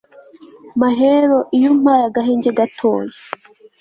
maheru iyo umpaye agahenge gatoya